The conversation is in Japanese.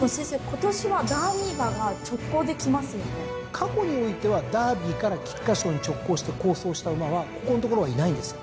過去においてはダービーから菊花賞に直行して好走した馬はここんところはいないんですよ。